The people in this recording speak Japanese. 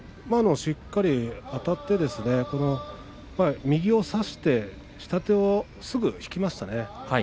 しっかりあたって右を差して左をすぐに引きましたね。